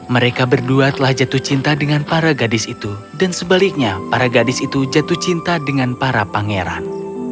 mereka berdua telah jatuh cinta dengan para gadis itu dan sebaliknya para gadis itu jatuh cinta dengan para pangeran